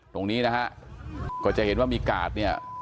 ตรงนี้นะฮะก็จะเห็นว่ามีกาดเนี่ย